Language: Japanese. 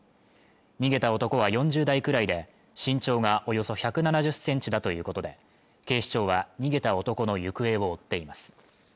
逃げた男は４０代くらいで身長がおよそ１７０ｃｍだということで警視庁は逃げた男の行方を追っています